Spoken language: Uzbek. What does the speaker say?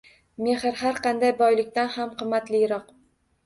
Mehr – har qanday boylikdan xam qimmatliroq.